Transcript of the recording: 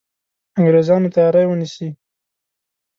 انګرېزانو تیاری ونیسي.